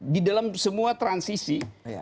di dalam semua transisi